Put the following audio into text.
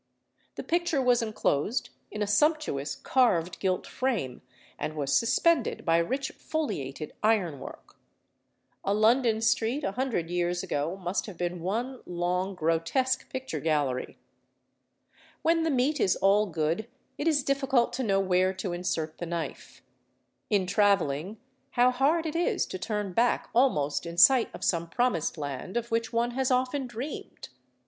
The picture was enclosed in a sumptuous carved gilt frame, and was suspended by rich foliated ironwork. A London street a hundred years ago must have been one long grotesque picture gallery. When the meat is all good it is difficult to know where to insert the knife. In travelling, how hard it is to turn back almost in sight of some Promised Land of which one has often dreamed!